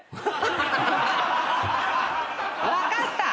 分かった。